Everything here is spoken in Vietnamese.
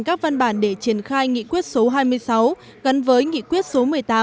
các văn bản để triển khai nghị quyết số hai mươi sáu gắn với nghị quyết số một mươi tám